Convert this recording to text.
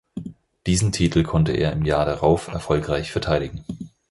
Diesen Titel konnte er im Jahr darauf erfolgreich verteidigen.